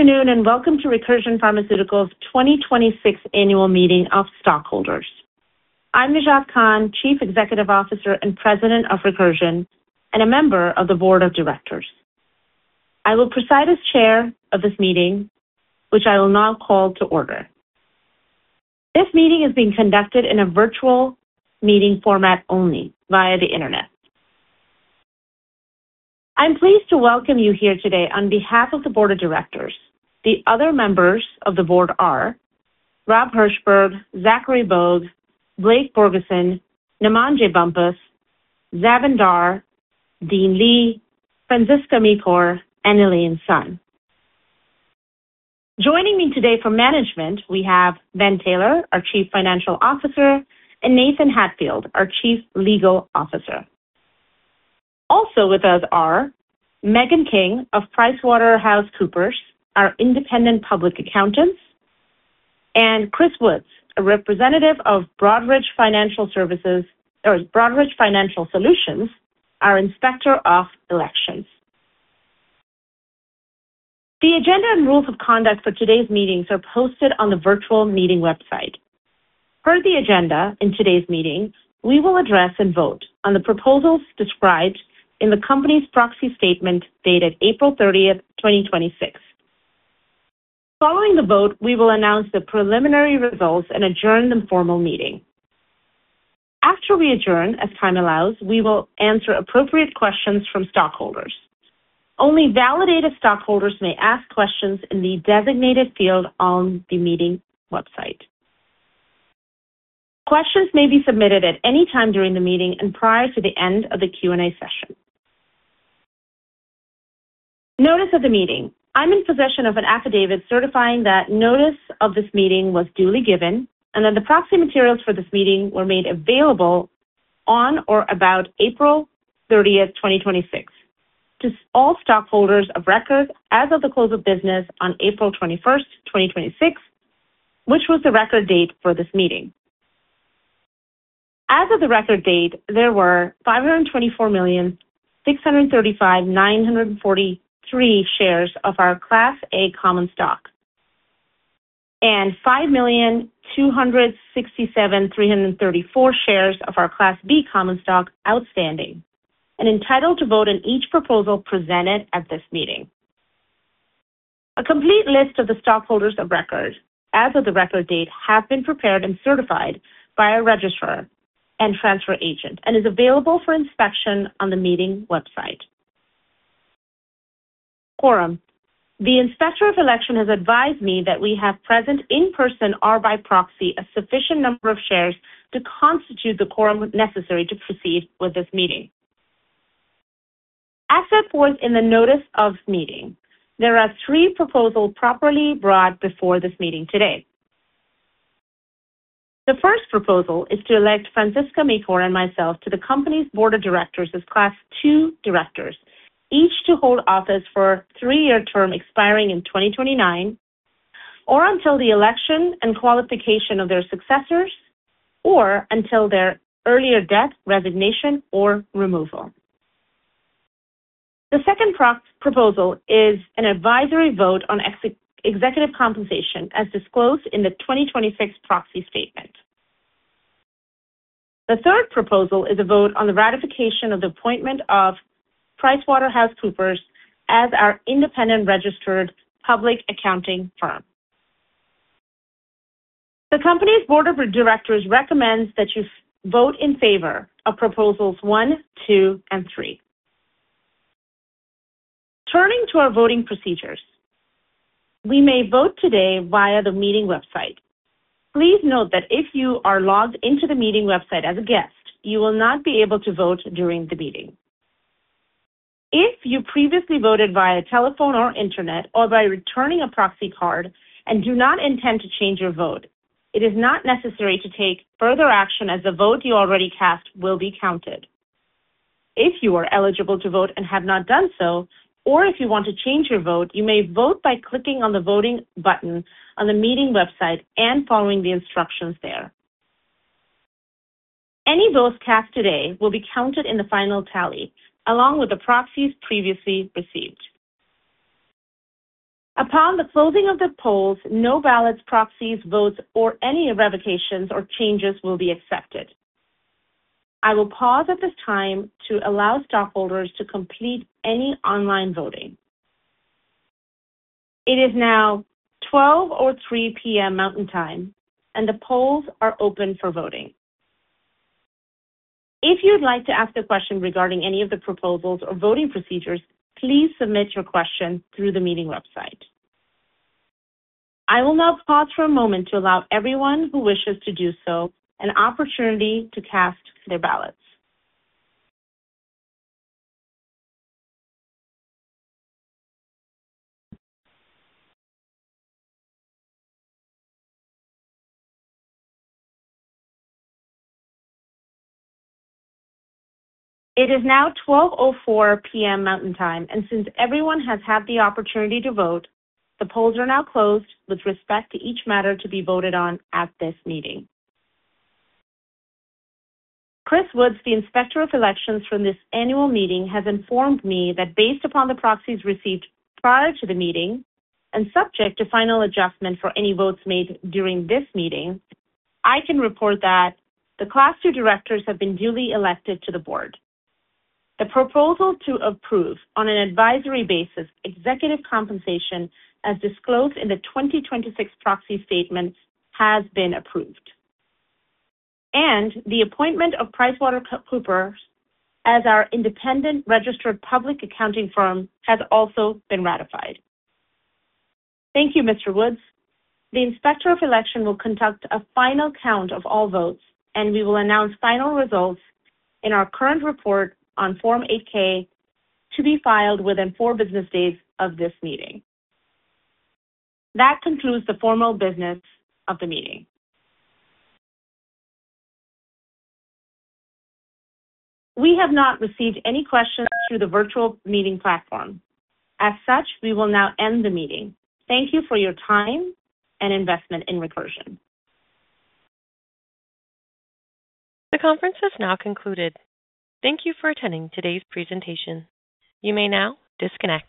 Afternoon, and Welcome to Recursion Pharmaceuticals' 2026 Annual Meeting of Stockholders. I'm Najat Khan, Chief Executive Officer and President of Recursion, and a member of the Board of Directors. I will preside as Chair of this meeting, which I will now call to order. This meeting is being conducted in a virtual meeting format only via the internet. I'm pleased to welcome you here today on behalf of the Board of Directors. The other members of the Board are Robert Hershberg, Zachary Bogue, Blake Borgeson, Namandjé Bumpus, Zavain Dar, Dean Li, Franziska Michor, and Elaine Sun. Joining me today for management, we have Ben Taylor, our Chief Financial Officer, and Nathan Hatfield, our Chief Legal Officer. Also with us are Megan King of PricewaterhouseCoopers, our independent public accountants, and Chris Woods, a representative of Broadridge Financial Solutions, our Inspector of Elections. The agenda and rules of conduct for today's meetings are posted on the virtual meeting website. Per the agenda in today's meeting, we will address and vote on the proposals described in the company's proxy statement dated April 30th, 2026. Following the vote, we will announce the preliminary results and adjourn the formal meeting. After we adjourn, as time allows, we will answer appropriate questions from stockholders. Only validated stockholders may ask questions in the designated field on the meeting website. Questions may be submitted at any time during the meeting and prior to the end of the Q&A session. Notice of the meeting. I'm in possession of an affidavit certifying that notice of this meeting was duly given and that the proxy materials for this meeting were made available on or about April 30th, 2026, to all stockholders of record as of the close of business on April 21st, 2026, which was the record date for this meeting. As of the record date, there were 524,635,943 shares of our Class A common stock and 5,267,334 shares of our Class B common stock outstanding and entitled to vote on each proposal presented at this meeting. A complete list of the stockholders of record as of the record date have been prepared and certified by our registrar and transfer agent and is available for inspection on the meeting website. Quorum. The Inspector of Election has advised me that we have present in person or by proxy a sufficient number of shares to constitute the quorum necessary to proceed with this meeting. As set forth in the notice of meeting, there are three proposals properly brought before this meeting today. The first proposal is to elect Franziska Michor and myself to the company's Board of Directors as Class II directors, each to hold office for a three-year term expiring in 2029, or until the election and qualification of their successors, or until their earlier death, resignation, or removal. The second proposal is an advisory vote on executive compensation as disclosed in the 2026 proxy statement. The third proposal is a vote on the ratification of the appointment of PricewaterhouseCoopers as our independent registered public accounting firm. The company's board of directors recommends that you vote in favor of Proposals one, two, and three. Turning to our voting procedures, we may vote today via the meeting website. Please note that if you are logged into the meeting website as a guest, you will not be able to vote during the meeting. If you previously voted via telephone or internet or by returning a proxy card and do not intend to change your vote, it is not necessary to take further action as the vote you already cast will be counted. If you are eligible to vote and have not done so, or if you want to change your vote, you may vote by clicking on the voting button on the meeting website and following the instructions there. Any votes cast today will be counted in the final tally, along with the proxies previously received. Upon the closing of the polls, no ballots, proxies, votes, or any revocations or changes will be accepted. I will pause at this time to allow stockholders to complete any online voting. It is now 12:03 P.M. Mountain Time. The polls are open for voting. If you'd like to ask a question regarding any of the proposals or voting procedures, please submit your question through the meeting website. I will now pause for a moment to allow everyone who wishes to do so an opportunity to cast their ballots. It is now 12:04 P.M. Mountain Time. Since everyone has had the opportunity to vote, the polls are now closed with respect to each matter to be voted on at this meeting. Chris Woods, the Inspector of Elections from this annual meeting, has informed me that based upon the proxies received prior to the meeting and subject to final adjustment for any votes made during this meeting, I can report that the Class II directors have been duly elected to the board. The proposal to approve, on an advisory basis, executive compensation as disclosed in the 2026 proxy statement has been approved. The appointment of PricewaterhouseCoopers as our independent registered public accounting firm has also been ratified. Thank you, Mr. Woods. The Inspector of Election will conduct a final count of all votes, and we will announce final results in our current report on Form 8-K to be filed within four business days of this meeting. That concludes the formal business of the meeting. We have not received any questions through the virtual meeting platform. We will now end the meeting. Thank you for your time and investment in Recursion. The conference has now concluded. Thank you for attending today's presentation. You may now disconnect.